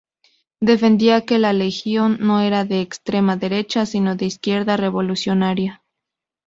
Defendía que la Legión no era de extrema derecha, sino de izquierda revolucionaria.